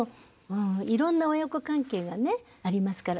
いろんな親子関係がねありますから。